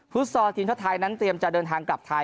ซอลทีมชาติไทยนั้นเตรียมจะเดินทางกลับไทย